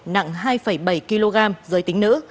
nặng hai bảy kg giới tính nữ